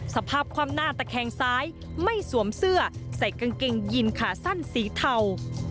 สภาพความหน้าตะแคงซ้ายไม่สวมเสื้อใส่กางเกงยินขาสั้นสีเทา